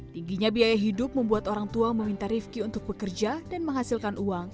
tingginya biaya hidup membuat orang tua meminta rifki untuk bekerja dan menghasilkan uang